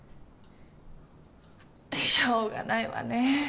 しょうがないわね。